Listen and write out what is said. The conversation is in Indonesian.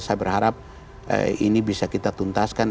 saya berharap ini bisa kita tuntaskan